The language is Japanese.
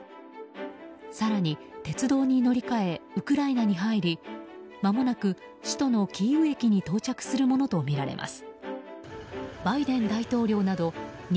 更に鉄道に乗り換えウクライナに入りまもなく首都のキーウ駅に到着するものとみられます。